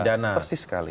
ruangnya juga ada